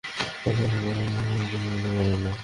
এখন কে জানে আযারাইলরে কী ঘুষ খাওয়াইছে, চুদমারানি মরেই না।